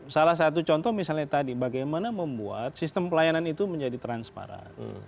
salah satu contoh misalnya tadi bagaimana membuat sistem pelayanan itu menjadi transparan